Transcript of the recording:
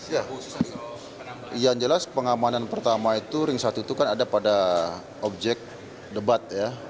ya khusus yang jelas pengamanan pertama itu ring satu itu kan ada pada objek debat ya